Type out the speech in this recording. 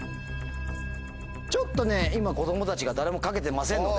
ちょっとね今子供たちが誰も書けてませんので。